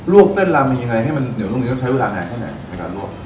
รวบเส้นลำยังไงให้มันเหนียวนุ่มนิดนึงใช้เวลาไหนในการรวบ